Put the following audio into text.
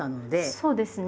そうですね。